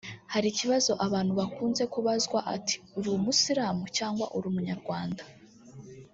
hari ikibazo abantu bakunze kubazwa ati ‘uri umusilamu cyangwa uri umunyarwanda’